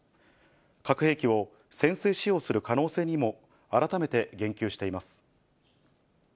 核兵器を先制使用する可能性にも改めて言及しています。